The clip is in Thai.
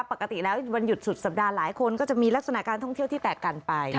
ปกติแล้ววันหยุดสุดสัปดาห์หลายคนก็จะมีลักษณะการท่องเที่ยวที่แตกกันไป